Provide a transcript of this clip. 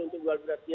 untuk jual beli tanah